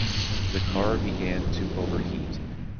The car began to overheat.